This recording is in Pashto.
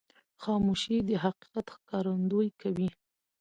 خاموشي، د حقیقت ښکارندویي کوي.